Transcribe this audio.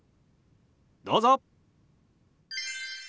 どうぞ！